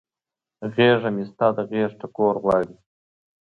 غیږه مې ستا د غیږ ټکور غواړي